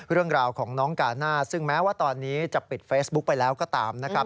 เรื่องราวของน้องกาน่าซึ่งแม้ว่าตอนนี้จะปิดเฟซบุ๊กไปแล้วก็ตามนะครับ